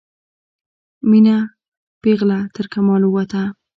میینه پیغله ترکمال ووته